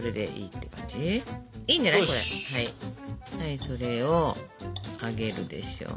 はいそれをあげるでしょ。